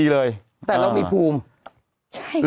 แต่เรามีภูมิใช่